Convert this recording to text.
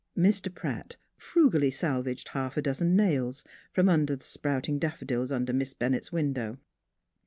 Mr. Pratt frugally salvaged half a dozen nails from among the sprouting daffodils under Miss Bennett's window.